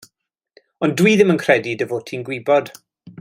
Ond dw i ddim yn credu dy fod ti'n gwybod.